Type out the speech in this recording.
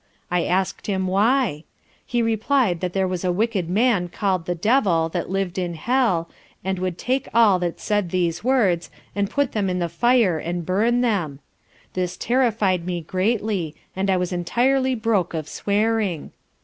I ask'd him why? He replied there was a wicked man call'd the Devil, that liv'd in hell, and would take all that said these words, and put them in the fire and burn them. This terrified me greatly, and I was entirely broke of swearing.